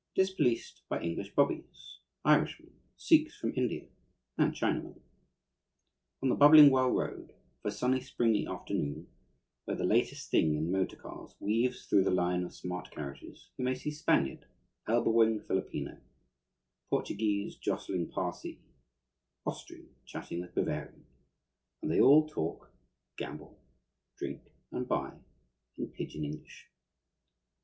It is policed by English bobbies, Irishmen, Sikhs from India, and Chinamen. On the Bubbling Well Road, of a sunny spring afternoon, where the latest thing in motor cars weaves through the line of smart carriages, you may see Spaniard elbowing Filipino, Portuguese jostling Parsee, Austrian chatting with Bavarian; and they all talk, gamble, drink, and buy in pidgin English.